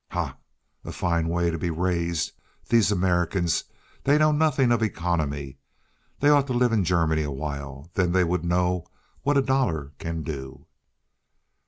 "Ha! A fine way to be raised. These Americans, they know nothing of economy. They ought to live in Germany awhile. Then they would know what a dollar can do."